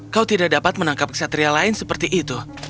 kau tidak dapat menangkap kesatria lain seperti itu